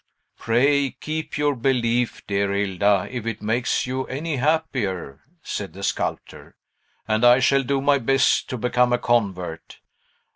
"Pray keep your belief, dear Hilda, if it makes you any happier," said the sculptor; "and I shall do my best to become a convert.